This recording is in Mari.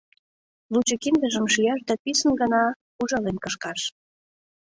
— Лучо киндыжым шияш да писын гына ужален кышкаш.